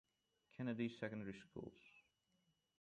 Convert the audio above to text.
Kennedy secondary schools.